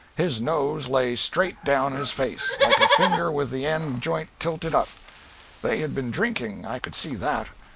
His nose lay straight down his face, like a finger with the end joint tilted up. They had been drinking, I could see that.